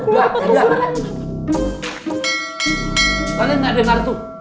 kalian gak dengar tuh